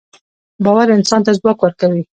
باورانسان ته ځواک ورکوي